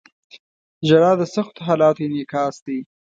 • ژړا د سختو حالاتو انعکاس دی.